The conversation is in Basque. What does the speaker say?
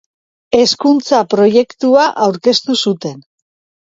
Hezkuntza-proiektua aurkeztu zuten.